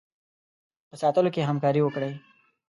په ساتلو کې همکاري وکړي.